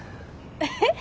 えっ？